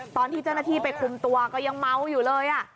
ตอนที่เจ้าหน้าที่ไปคุมตัวก็ยังเมาอยู่เลย